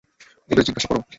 ওদের জিজ্ঞেস করো।